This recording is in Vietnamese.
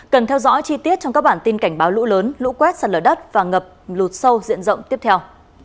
cần theo dõi chi tiết trong các bản tin cảnh báo lũ lớn lũ quét sạt lở đất và ngập lụt sâu diện rộng tiếp theo